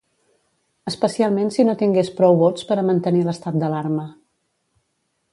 Especialment si no tingués prou vots per a mantenir l’estat d’alarma.